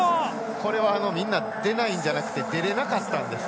これは、みんな出ないんじゃなくて出れなかったんですね。